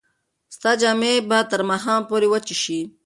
ستا جامې به تر ماښامه پورې وچې شي.